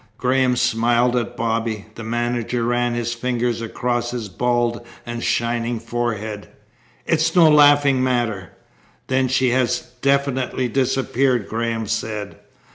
Graham smiled at Bobby. The manager ran his fingers across his bald and shining forehead. "It's no laughing matter." "Then she has definitely disappeared?" Graham said.